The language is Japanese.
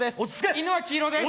犬は黄色です